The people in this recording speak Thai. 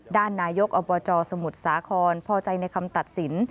ด้านนายกอบจสมุทรสาครพอใจในคำตัดสิน